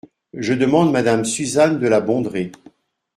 Je demande madame Suzanne de La Bondrée.